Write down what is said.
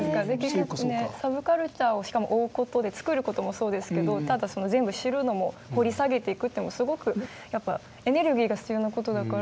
サブカルチャーをしかも追う事で作る事もそうですけどただ全部知るのも掘り下げていくというのもすごくエネルギーが必要な事だから。